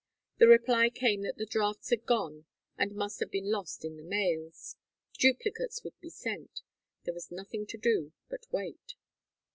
The reply came that the drafts had gone and must have been lost in the mails. Duplicates would be sent. There was nothing to do but wait.